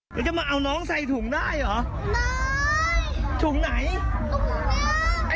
เป็นยังไงน่ารักมะ